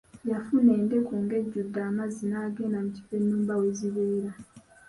Yafuna endeku ng'ejjudde amazzi n'agenda mu kifo ennumba we zibeera.